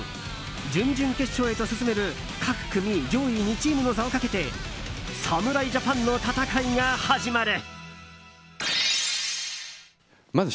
準々決勝へと進める各組上位２チームの座をかけて侍ジャパンの戦いが始まる！